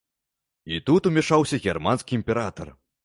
І тут умяшаўся германскі імператар.